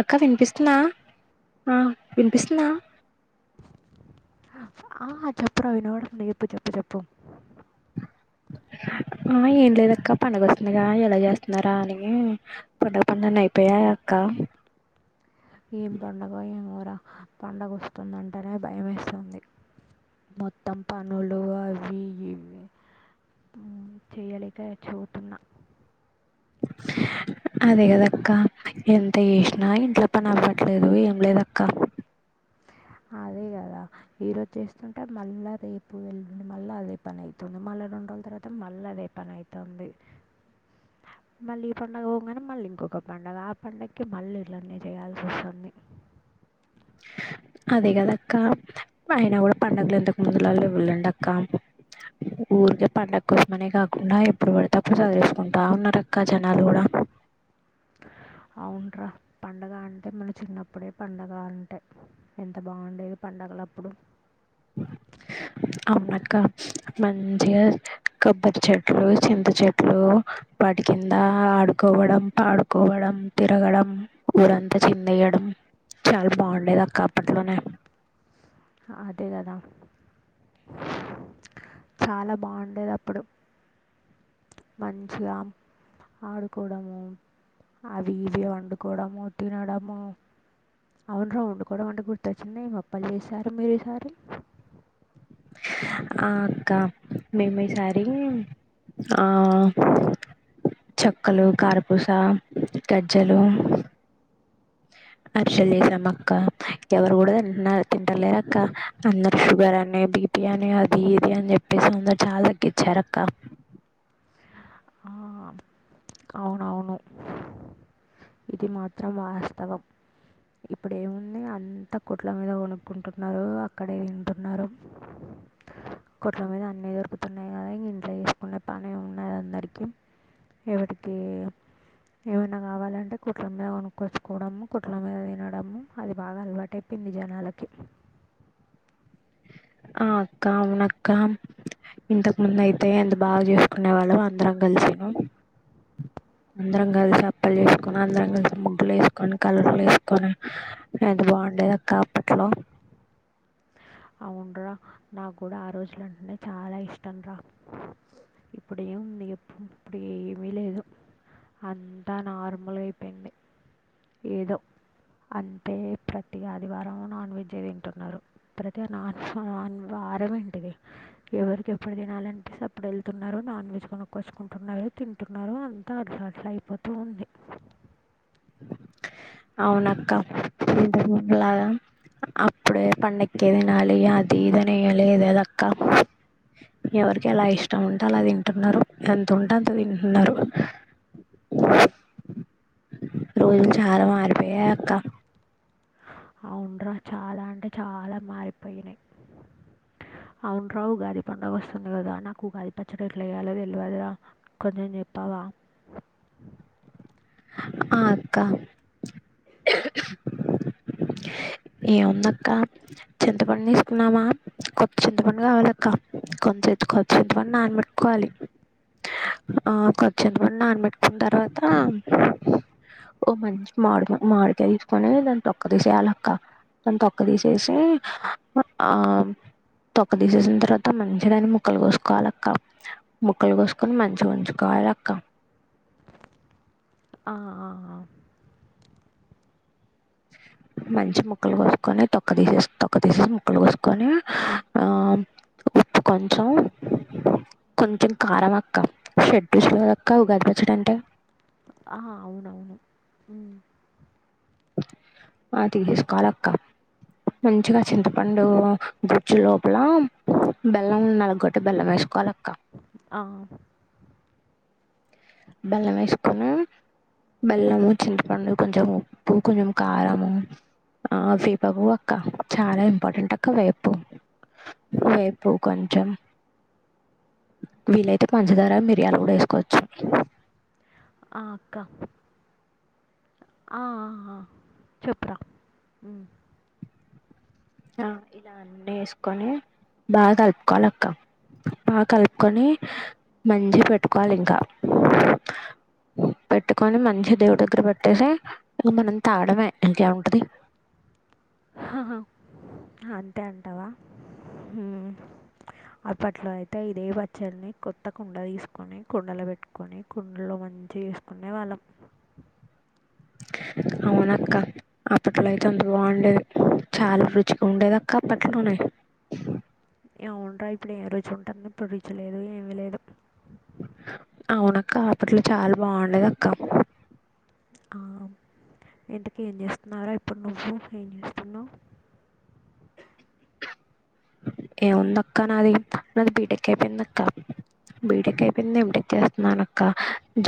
అక్క వినిపిస్తుందా ఆ వినిపిస్తుందా ఆ చెప్పు రవి వినపడుతుంది చెప్పు చెప్పు చెప్పు ఆ ఏం లేదక్క పండగ వస్తుందిగా ఎలా చేస్తున్నారా అని పండగ పనులన్నీ అయిపోయాయ అక్క ఏం పండగో ఏమో పండగ వస్తుందంటేనే భయేస్తుంది. మొత్తం పనులు అవి ఇవి చేయలేక సచ్చి పోతున్న అదేకదక్క ఎంత చేసినా ఇంట్లో పని అవవట్లేదు ఏం లేదక్క అదే కదా ఈరోజు చేస్తుంటే మళ్ళా రేపు ఎల్లుండి మళ్ళా అదే పని అయితుంది. మళ్ళ రెండు రోజుల తర్వాత మళ్ళ అదే పని అయితంది. మళ్ళీ ఈ పండుగ పోగానే మళ్ళీ ఇంకొక పండుగ ఆ పండగకి మళ్ళీ ఇలన్న చేయాల్సి వస్తుంది. అదే కదక్క ఆయన గుడా పండగలెందుకు ముందులా లెవ్వు లెండక్క. ఊరికే పండగ కోసమనే కాకుండా ఎప్పుడు పడితే అప్పుడు సదిరేస్కుంటా ఉన్నారు అక్క జనాలు కూడా అవున్రా పండగ అంటే మన చిన్నప్పుడే పండగ అంటే ఎంత బాగుండేది పండుగలప్పుడు అవునక్క మంచిగా కొబ్బరి చెట్లు, చింత చెట్లు వాటి కింద ఆడుకోవడం, పాడుకోవడం, తిరగడం, ఊరంతా చిందేయడం చాలా బాగుండేది అక్క అప్పట్లోనే అదే కదా చాలా బాగుండేది అప్పుడు మంచిగా ఆడుకోవడము, అవి ఇవి వండుకోవడము, తినడము అవున్రా వండుకోవడం అంటే గుర్తొచ్చింది ఏం అప్పలు చేశారు మీరు ఈసారి ఆ అక్క మేం ఈసారి ఆ చెక్కలు, కారపూస, గజ్జలు అరిశల్ చేశామక్క ఎవరు కూడా తింటలేరక్క అందరు షుగర్ అనే బీపీ అనే అది ఇది అని చెప్పేసి అందరు చాలా తగ్కిచ్చారక్క ఆ అవునవును ఇది మాత్రం వాస్తవం ఇప్పుడు ఏముంది అంతా కొట్ల మీద కొనుక్కుంటున్నారు. అక్కడే తింటున్నరు కొట్ల మీద అన్నీ దొరుకుతున్నాయి కదా ఇంట్లో చేసుకునే పనె ఉండది అందరికీ ఎవటికి ఏమైనా కావాలంటే కొట్ల మీద కొనుకొచ్చుకోవడం కొట్ల మీద వినడం అది బాగా అలవాట్ అయిపోయింది జనాలకి ఆ అక్క అవునక్క ఇంతకు ముందు అయితే ఎంత బాగా చేసుకునే వాళ్ళం అందరం కలిసిన అందరం కలిసి అప్పలు చేసుకొని, అందరం కలిసి ముగ్గులు వేసుకొని కలర్లు వేసుకొని ఎంత బాగుండేది అక్క అప్పట్లో అవున్రా నాక్ గుడా ఆ రోజులంటేనే చాలా ఇష్టం రా ఇప్పుడు ఏముంది చేప్పు ఇప్పుడు ఏమీ లేదు. అంతా నార్మల్ అయిపోయింది ఏదో అంతే ప్రతి ఆదివారం నాన్ వెజే తింటున్నారు ప్రతి వార్ వార్ వారం ఏంటిది ఎవరికి ఎప్పుడు తినాలనిపిస్తే అప్పుడు వెళ్తున్నారు నాన్ వెజ్ కొనుక్కోచ్చుకుంటున్నరు, తింటున్నరు అంతా అట్ల అట్లా అయిపోతూ ఉంది. అవునక్క ఇంతకు ముందు లాగా అప్పుడే పండగక్కే తినాలి అది ఇది అని ఏం లేదక్క. ఎవరికి ఎలా ఇష్టం ఉంటె అలా తింటున్నరు ఎంత ఉంటే అంత తింటున్నరు రోజులు చాలా మారిపోయాయక్క. అవున్రా చాలా అంటే చాలా మారిపోయినయి. అవున రావు ఉగాది పండుగ వస్తుంది కదా నాక్ ఉగాది పచ్చడ ఎట్లా చేయాలో తెల్వదిరా కొంచం చెప్పావా ఆ అక్క ఏముందక్క చింతపండు తీసుకున్నామా కొత్త చింతపండు కావాలక్క కొంచం కొత్త చింతపండు నానబెట్టుకోవాలి. ఆ కొత్త చింతపండును నానబెట్టుకున్న తర్వాత ఓ మంచి మామి మాడికాయ తీసుకొని దాన్ని తొక్క తీసేయాల్ అక్క దాని తొక్క తీసేసి ఆ తొక్క తీసేసిన తర్వాత మంచిగా దాన్ని ముక్కలు కోసుకోవాలక్క, ముక్కలు కోస్కొని మంచిగా ఉంచుకోవాలక్క. ఆ ఆ మంచి ముక్కలు కోసుకొని తొక్క తీసేసి తొక్క తీసేసి ముక్కలు కోసుకొని ఆ ఉప్పు కొంచెం కొంచెం కారం అక్క షట్ రుచులు ఏ అక్క ఉగదిపచ్చడి అంటే ఆ అవునవును ఆదిగేసుకోవాలక్క మంచిగా చింతపండు గుజ్జు లోపల బెల్లం నలుగొట్టి బెల్లం వేసుకోవాలక్క ఆ బెల్లం వేసుకోని బెల్లము చింతపండు కొంచెం ఉప్పు కొంచెం కారము ఆ వీపకు అక్క చాలా ఇంపార్టెంట్ అక్క వేపు వేపు కొంచెం వీలైతే పంచదార మిరియాలు కూడా వేసుకోవచ్చు ఆ అక్క ఆ ఆ ఆ ఆ చెప్పురా ఆ ఇలా అన్నీ వేసుకొని బాగా కలుపుకోవాలి అక్క బాగా కలుపుకొని మంచిగా పెట్టుకోవాలి ఇంకా పెట్టుకొని మంచిగా దేవుడి దగ్గర పెట్టేసి ఇ మనం తాగడమే ఇంకేం ఉంటది అంతే అంటావా అప్పట్లో అయితే ఇదే పచ్చడిని కొత్త కుండ తీసుకొని కుండలు పెట్టుకొని కుండలో మంచిగా చేసుకునే వాళ్ళం అవునక్క అప్పట్లో అయితే అంత బాగుండేది చాలా రుచిగా ఉండేద అక్క అప్పట్లోనే ఏముండ ఇప్పుడు ఏం రుచి ఉంటుంది ఇప్పుడు రుచి లేదు ఏమిీ లేదు అవునక్క అప్పట్లో చాలా బాగుండేది అక్క ఇందుకు ఏం చేస్తున్నారా ఇప్పుడు నువ్వు ఏం చేస్తున్నావు ఏముందక్క నాది నాది బీటెక్ అయిపోయింది అక్క బీటెక్ అయిపోయింది ఎటెక్ చేస్తున్నాన అక్క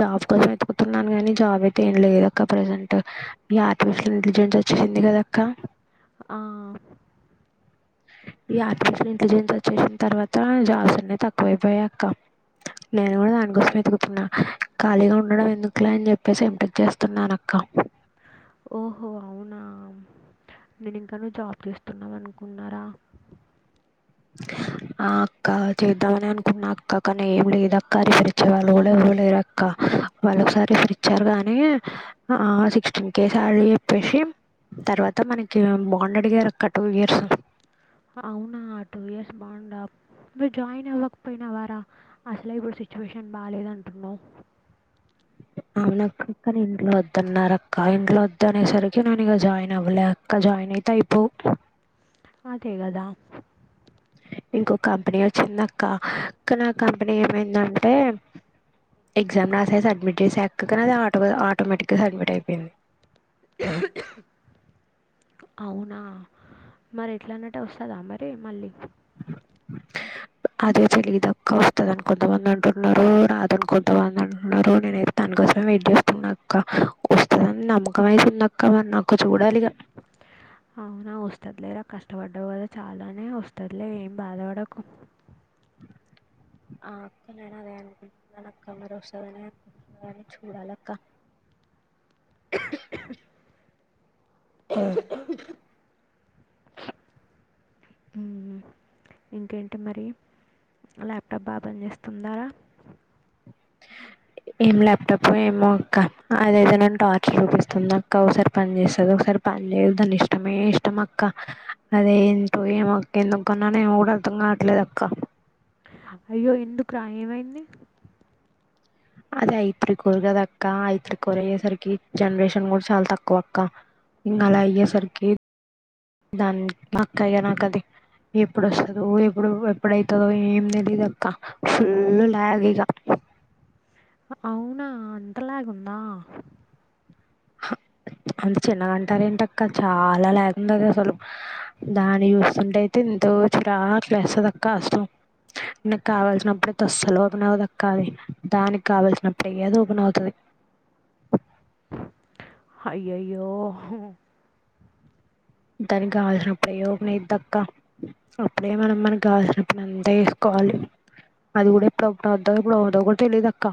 జాబ్ కోసం ఎతుకుతున్నాను కాని జాబ్ అయితే ఏం లేదు అక్క ప్రసెంట్ ఈ ఆర్టిఫిషియల్ ఇంటెలిజెన్స్ వచ్చేసింది కదక్క ఆ ఈ ఆర్టిఫిషియల్ ఇంటెలిజెన్స్ వచ్చేసిన తర్వాత జాబ్స్ అన్నీ తక్కువైపోయా అక్క నేను కూడా దానికోసం ఎతుకుతున్నా ఖాళీగా ఉండడం ఎందుకులే అని చెప్పేసి యంటెక్ చేస్తున్నా అక్క ఓహో అవునా నేను ఇంకాను జాబ్ చేస్తున్నావ్ అనుకున్నారా ఆ అక్క చేద్దామని అనుకున్నా అక్క కానీ ఏం లేదు అక్క రిఫర్చ్చ వాళ్ళు కూడా ఇవ్వలేరు అక్క వాళ్ళు ఒకసారి రిఫర్చ్చారు గానీ ఆ సిక్స్టీన్ కేస్ చెప్పేసి తర్వాత మనకి బాండ్ అడిగారు అక్క టూ ఇయర్స్ అవునా టూ ఇయర్స్ బాండ్ ఆ మీరీ జాయిన్ అవ్వకపోయినా వారా అసలే ఇప్పుడు సిచ్యువేషన్ బాలేద అంటున్నావు అవును అక్క ఇంట్లో వదున్నారు అక్క ఇంట్లో వదు అనేసరికి నను ఇక జాయిన్ అవ్వలే అక్క జాయిన్ అయితే అయిపో అదే కదా ఇంకొ కంపెనీ వచ్చింది అక్క కానీ ఆ కంపెనీ ఏమైందంటే ఎగ్జామ్ రాసే సబ్మిట్ చేస అక్క కానీ అది ఆటో ఆటోమేటిక్గా సబ్మిట్ అయిపోయింది అవునా మరి ఎట్లాన్నట్టే వస్తుందా మరి మళ్ళీ అదే తెలిగిదక్క వస్తుందిని కొంతమంది అంటున్నారు రాదని కొంతమంది అంటున్నారు నేనతే దానికోసమే వెయిట్ చేస్తున్నాక్క వస్తుందని నమ్మకం అయితే ఉందక్క మరి నాకు చూడాలిగా అవునా వస్తదిలే రా కష్టపడ్డావు కదా చాలానే వస్తుదిలే ఏం బాధపడకు ఆ అక్క నేను అదే అనుకుంటున్నానక్క మరో వస్తది అనే కానీ చూడాలక్క ఇంకేంటి మరి ల్యాప్టాప్ బా పని చేస్తుందా ఏం ల్యాప్టాప్ ఏమో అక్క అదైతే నేను టార్చర్ చూపిస్తుంది అక్క ఒకసారి పని చేస్తుది ఒకసారి పని చేయదు దాని ఇష్టమే ఇష్టం అక్క అదే ఏంటో ఏమక్క ఎందుకున్నానో ఏమో కూడా అర్థం కావట్లేదు అక్క అయ్యో ఎందుకు రా ఏమైంది అదే ఐ త్రీ కోర్ కద అక్క ఐ త్రీ కోర్ అయ్యేసరికి జనరేషన్ కూడా చాలా తక్కువ అక్క ఇంకా అలా అయ్యేసరికి దాని అక్క ఇక నాక అది ఎప్పుడుస్తుదో ఎప్పుడు ఎప్పుడైతుందో ఏమి తెలిదు అక్క ఫుల్ లాగ్ ఇక అవునా అంతలాగందా అంత చిన్న గంటార ఏంటక్క చాలా లాగ్ ఉంది అది అసలు దాన్ని చూస్తుంటే అయితే ఎంతో చిరాక లేస్తది అక్క అసలు నకు కావల్సినప్పుడుయితే అసలు ఓపెన్ అవ్వదక్క అది దానికి కావల్సినప్పుడు అది ఓపెన్ అవుతది అయ్యయ్యో దానికి కావల్సినప్పుడే ఓపెన్ అయిదీ అక్క అప్పుడే మన మనకి కాల్సినప్పుడు అంతే చేసుకోవాలి అది కూడా ఇప్పుడుప్పుడు వద్దో ఇప్పుడు అద్దో కూడా తెలిదుక్క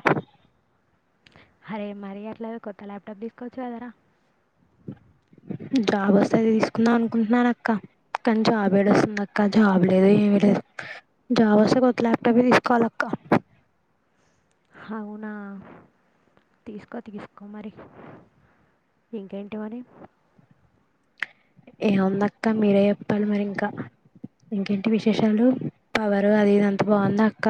అరే మరి అట్లా కొత్త ల్యాప్టాప్ తీసుకోవచ్చు కదార జాబ్ వస్తేది తీసుకుందాం అనుకుంటున్నాను అక్క కానీ జాబ్ ఏడు వస్తుంది అక్క జాబ్ లేదు ఏమిీ లేదు జాబ్ వస్తే కొత్త ల్యాప్టాప్ తీసుకోవాల అక్క అవునా తీసుకో తీసుకో మరి ఇంకేంటివని ఏముంద అక్క మీరే చెప్పాలి మరి ఇంకా ఇంకేంటి విశేషాలు పవరు అది ఇదింత బాగుంద అక్క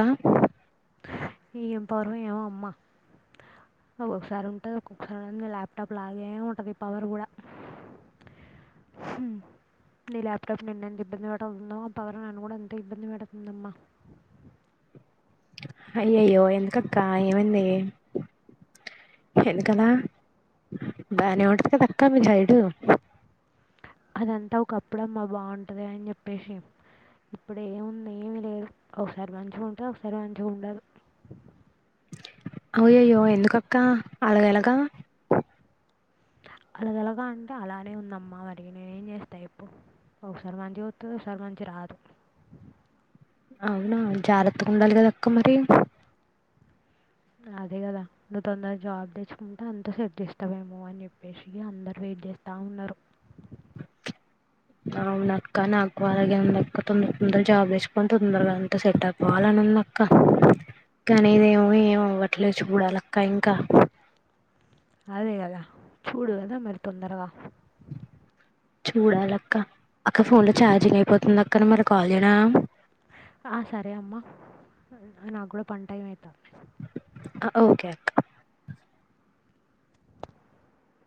ఏం పవర్ ఏమో అమ్మాక్కసారి ఉంటుంది ఒక్కొక్కసారి నీ ల్యాప్టాప్ లాగే ఉంటంది ఈ పవర్ కూడా నీ ల్యాప్టాప్ నిన్న ఎంత ఇబ్బంది పెడుతుందో ఆ పవర్ నన్ను కూడా ఎంత ఇబ్బంది పెడుతుందమ్మా అయ్యయ్యో ఎందుకక్క ఏమైంది ఎందుకలా బానే ఉంటది కదా అక్క మీ సైడు అదంతా ఒకప్పుడమ్మా బాగుంటుంది అని చెప్పేసి ఇప్పుడు ఏముంది ఏమి లేదు ఒకసారి మంచిగా ఉంటే ఒకసారి మంచిగా ఉండదు అయ్యయ్యో ఎందుకక్క అల ఎలగా అలగలగా అంటే అలానే ఉందమ్మా మరికి నేనే ఏం చేస్తా చెప్పు ఒకసారి మంచి చస్త ఒకసారి మంచి రాదు అవునా జాగ్రత్తగా ఉండాలి కదా అక్క మరి అదే కదా నువ్వు తొందర జాబ్ తెచ్చుకుంటే అంత సెట్ చేస్తావేమో అని చెప్పేసి అందరు వెయిట్ జేస్తా వున్నరు అవునక్క నాకు అలాగే ఉందక్క తొందర తొందర జాబ్ తెచ్చుకొని తొందరగా అంతా సెట్ అయి పోవాలని ఉందక్క కానీ ఇదేమో ఏమి అవ్వట్లే చూడాలక్క ఇంకా అదే కదా చూడు కదా మరి తొందరగా చూడాలక్క అక్క ఫోన్ లో ఛార్జింగ్ అయిపోతుంది అక్క మరి కాల్ చేయనా ఆ సరే అమ్మా నాకు కూడా పనిటైం అయితాంది అ ఓకే క్క